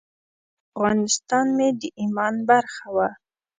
افغانستان مې د ایمان برخه وه.